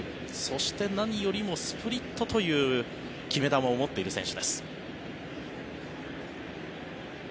そして、何よりもスプリットという決め球を持っている選手です。